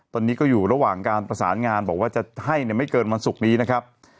ตอนนี้ก็อยู่ระหว่างการประสานงานบอกว่าจะให้ไม่เกินวันศุกร์นี้นะครับ